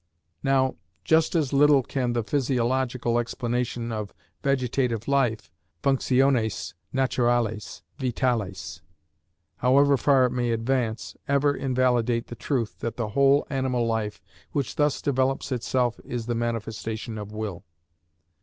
Now, just as little can the physiological explanation of vegetative life (functiones naturales vitales), however far it may advance, ever invalidate the truth that the whole animal life which thus develops itself is the manifestation of will.